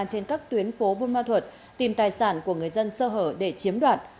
trên các tuyến phố bồn ma thuật tìm tài sản của người dân sơ hở để chiếm đoạn